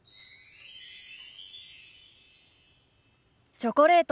チョコレート。